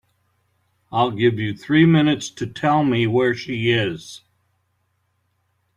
I'll give you three minutes to tell me where she is.